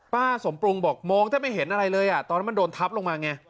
ป้าสมปรุงบอกมองแทบไม่เห็นอะไรเลยอ่ะตอนนั้นมันโดนทับลงมาไง